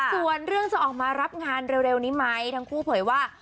ส่วนเรื่องจะออกมารับงานเร็วนี้ไหมทั้งคู่เผยว่า